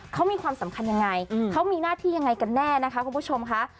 เขามีความสำคัญยังไงเขามีหน้าที่ยังไงกันแน่นะคะคุณผู้ชมค่ะ